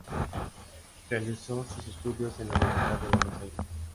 Realizó sus estudios en la Universidad de Buenos Aires.